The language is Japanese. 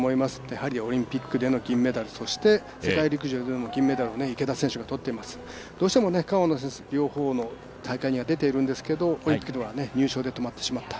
やはりオリンピックでの銀メダルそして世界陸上での銀メダルを池田選手が取っていますどうしても川野選手、両方の大会に出ているんですけどオリンピックでは入賞で止まってしまった。